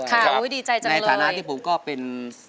ครับอุ๊ยดีใจจังเลยในฐานะที่ผมก็เป็น